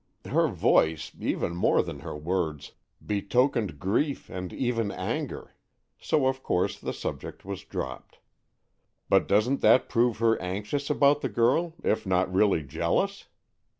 Her voice, even more than her words, betokened grief and even anger, so of course the subject was dropped. But doesn't that prove her anxious about the girl, if not really jealous?"